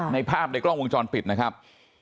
ในภาพในกล้องวงจรปิดนะครับ